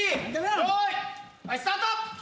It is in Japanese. スタート。